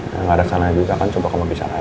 yang gak ada sana juga kan coba kamu bisa nanya